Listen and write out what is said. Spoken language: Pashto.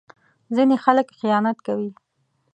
ځینې خلک خیانت کوي.